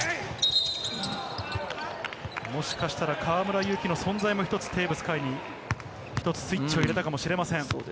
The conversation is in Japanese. もしかしたら河村勇輝の存在も一つ、テーブス海にスイッチを入れたかもしれません。